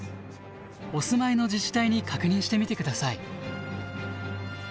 お住まいの自治体に確認してみて下さい。